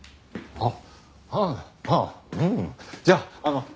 あっ。